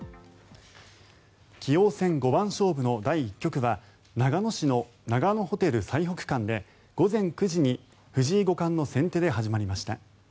棋王戦五番勝負の第１局は長野市の長野ホテル犀北館で午前９時に藤井五冠の先手で始まりました。